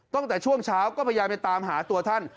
ตั้งแต่ช่วงเช้าก็พยายามไปตามหาตัวท่าน